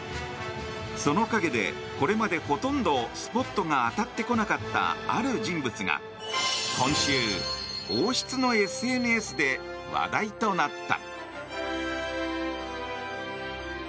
その陰で、これまでほとんどスポットが当たってこなかったある人物が今週、王室のＳＮＳで話題となった。